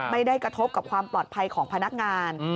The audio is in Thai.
ไม่ได้กระทบกับความปลอดภัยของพนักงาน